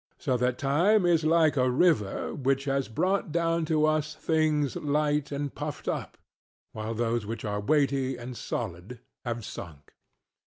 So that Time is like a river, which has brought down to us things light and puffed up, while those which are weighty and solid have sunk.